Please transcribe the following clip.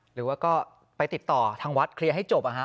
หรือว่าก็ไปติดต่อทางวัดเคลียร์ให้จบ